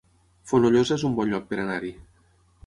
Fonollosa es un bon lloc per anar-hi